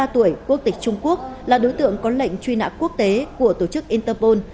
ba mươi tuổi quốc tịch trung quốc là đối tượng có lệnh truy nã quốc tế của tổ chức interpol